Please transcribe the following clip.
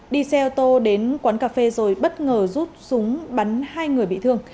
đi xe ô tô đến quán cà phê rồi bất ngờ rút súng bắn hai người bị thương